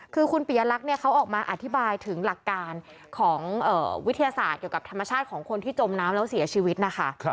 คือคุณปียลักษณ์เขาออกมาอธิบายถึงหลักการของวิทยาศาสตร์เกี่ยวกับธรรมชาติของคนที่จมน้ำแล้วเสียชีวิตนะคะ